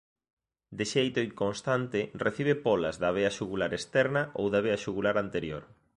De xeito inconstante recibe pólas da vea xugular externa ou da vea xugular anterior.